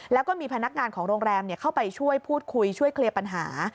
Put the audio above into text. แล้วก็มีพนักงานของโรงแรมเข้าไปช่วยพูดคุยช่วยเคลียร์ปัญหา